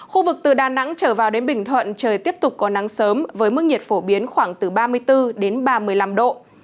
khu vực từ đà nẵng trở vào đến bình thuận trời tiếp tục có nắng sớm với mức nhiệt phổ biến khoảng từ ba mươi bốn ba mươi năm độ